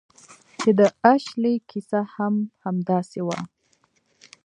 چې د اشلي کیسه هم همداسې وه